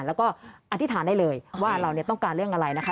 แล้วก็อธิษฐานได้เลยว่าเราต้องการเรื่องอะไรนะคะ